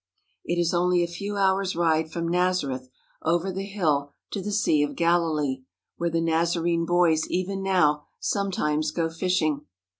It is only a few hours' ride from Nazareth over the hill to the Sea of Galilee, where the Nazarene boys even now sometimes go fishing.